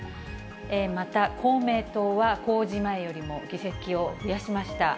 また、公明党は公示前よりも議席を増やしました。